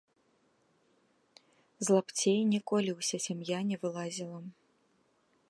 З лапцей ніколі ўся сям'я не вылазіла.